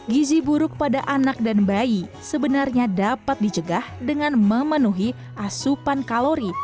gizi buruk pada anak dan bayi sebenarnya dapat dicegah dengan memenuhi asupan kalori